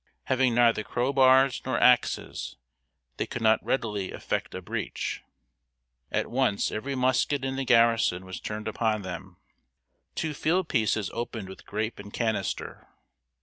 Having neither crow bars nor axes they could not readily effect a breach. At once every musket in the garrison was turned upon them. Two field pieces opened with grape and canister.